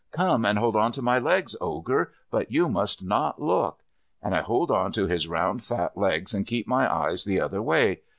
"Come and hold on to my legs, Ogre, but you must not look." And I hold on to his round fat legs and keep my eyes the other way.